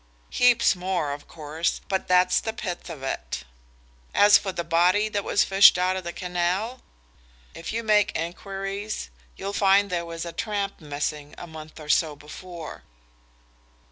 Heaps more, of course, but that's the pith of it. As for the body that was fished out of the canal, if you make enquiries, you'll find there was a tramp missing, a month or so before."